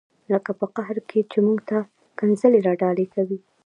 لکه په قهر کې چې موږ ته ښکنځلې را ډالۍ کوي.